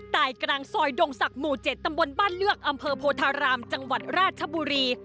ตายกลางซอยดงศักดิ์หมู่๗ตำบลบ้านเลือกอำเภอโพธารามจังหวัดราชบุรี